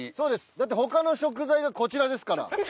だって他の食材がこちらですから。